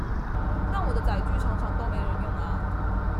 但我的載具常常都沒人用啊！